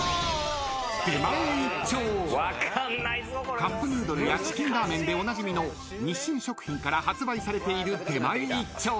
［カップヌードルやチキンラーメンでおなじみの日清食品から発売されている出前一丁］